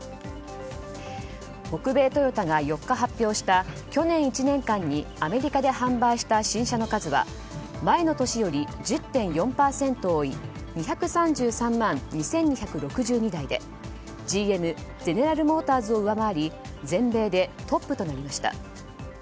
北米トヨタが４日発表した去年１年間にアメリカで販売した新車の数は前の年より１０．４％多い２３３万２２６２台でＧＭ・ゼネラル・モーターズを上回り全米でトップとなりました。